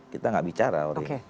kita enggak bicara